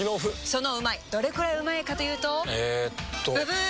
そのうまいどれくらいうまいかというとえっとブブー！